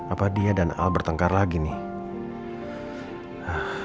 apa dia dan al bertengkar lagi nih